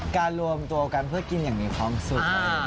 รวมตัวกันเพื่อกินอย่างมีความสุข